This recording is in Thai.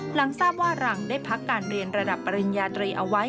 หลังทราบว่าหลังได้พักการเรียนระดับปริญญาตรีเอาไว้